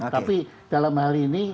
tapi dalam hal ini